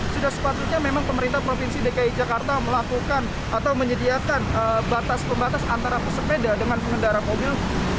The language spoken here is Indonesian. sudah sepatutnya memang pemerintah provinsi dki jakarta melakukan atau menyediakan batas pembatas antara pesepeda dengan pengendara mobil